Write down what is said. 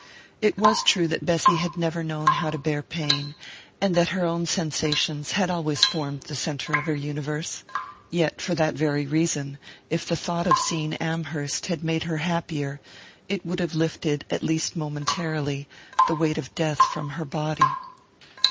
It was true that Bessy had never known how to bear pain, and that her own sensations had always formed the centre of her universe yet, for that very reason, if the thought of seeing Amherst had made her happier it would have lifted, at least momentarily, the weight of death from her body.